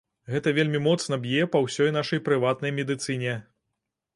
Гэта вельмі моцна б'е па ўсёй нашай прыватнай медыцыне.